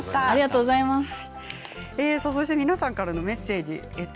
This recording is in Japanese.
皆さんからのメッセージです。